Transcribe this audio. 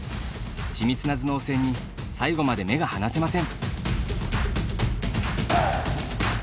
緻密な頭脳戦に最後まで目が離せません。